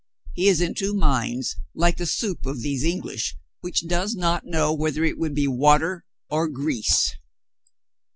He is in two minds — like the soup of these English, which does not know whether it would be water or grease."